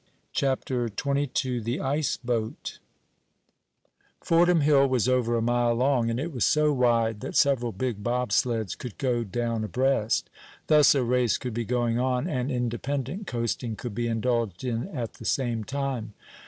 CHAPTER XXII THE ICE BOAT Fordham Hill was over a mile long, and it was so wide that several big bobsleds could go down abreast. Thus a race could be going on, and independent coasting could be indulged in at the same time.